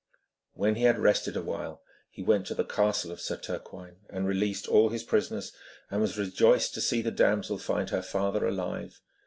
When he had rested a while, he went to the castle of Sir Turquine and released all his prisoners, and was rejoiced to see the damsel find her father alive.